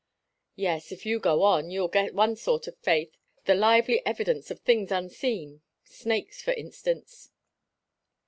"Yes if you go on, you'll get one sort of faith the lively evidence of things unseen snakes, for instance."